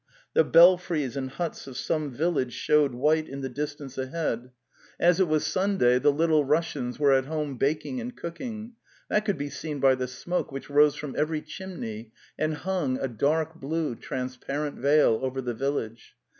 The belfries and huts of some village showed white in the distance The Steppe 215, ahead; as it was Sunday the Little Russians were at home baking and cooking —that could be seen by the smoke which rose from every chimney and hung, a dark blue transparent veil, over the village.